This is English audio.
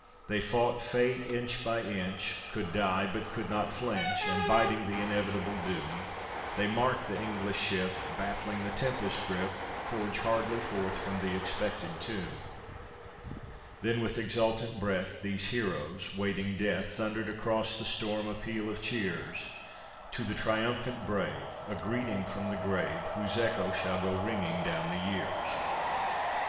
They fought Fate inch by inch, Could die, but could not flinch; And, biding the inevitable doom, They marked the English ship, Baffling the tempest's grip, Forge hardly forth from the expected tomb. Then, with exultant breath, These heroes waiting death, Thundered across the storm a peal of cheers, To the triumphant brave A greeting from the grave, Whose echo shall go ringing down the years.